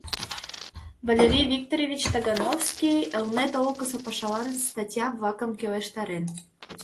Валерий Викторович Тагановский Элнет олыкысо пашалан статья-влакым келыштарен.